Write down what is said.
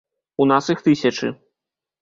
У нас іх тысячы.